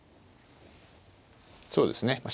そうですね